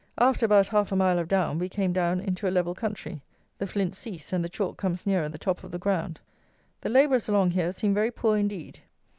After about half a mile of down we came down into a level country; the flints cease, and the chalk comes nearer the top of the ground. The labourers along here seem very poor indeed.